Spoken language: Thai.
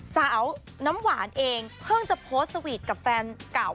สาวน้ำหวานเองเพิ่งจะโพสต์สวีทกับแฟนเก่า